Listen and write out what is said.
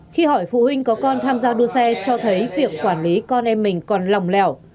khi hỏi phụ huynh có con tham gia đua xe cho thấy việc quản lý con em mình còn lòng lẻo